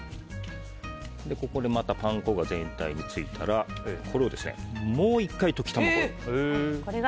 ここでまたパン粉が全体についたらこれをもう１回、溶き卵に。